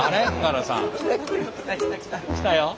来たよ。